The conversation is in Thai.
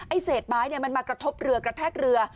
ไอ้เศษไม้เนี่ยมันมากระทบเรือกระแทกเรือ